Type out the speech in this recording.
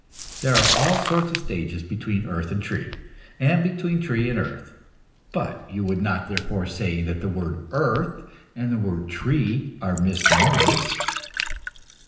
There are all sorts of stages between earth and tree, and between tree and earth; but you would not therefore say that the word "earth" and the word "tree" are misnomers.